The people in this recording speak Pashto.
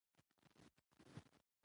سیاسي مشارکت ټولنه متحد ساتي